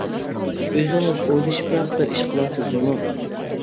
ئۆزىڭىز ئويلىشىپراق بىر ئىش قىلارسىز جۇمۇ!